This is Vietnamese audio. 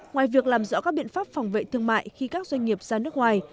ngoài việc làm rõ các biện pháp phòng vệ thương mại khi các doanh nghiệp ra nước ngoài